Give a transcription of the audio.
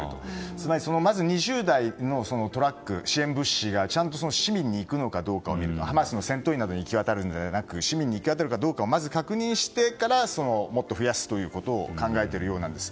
つまり、まず２０台のトラックの支援物資がちゃんと市民に行くのかどうかハマスの戦闘員に行くのではなく市民に行き渡るかどうかをまず確認してからもっと増やすということを考えているようなんです。